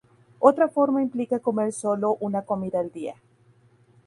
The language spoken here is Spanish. Otra forma implica comer sólo una comida al día.